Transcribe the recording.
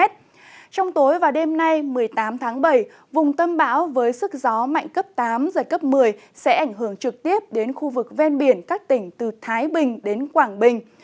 trong tối và đêm nay một mươi tám tháng bảy vùng tâm bão với sức gió mạnh cấp tám giật cấp một mươi sẽ ảnh hưởng trực tiếp đến khu vực ven biển các tỉnh từ thái bình đến quảng bình